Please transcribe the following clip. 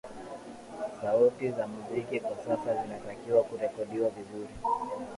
sauti za muziki kwa sasa zinatakiwa kurekodiwa vizuri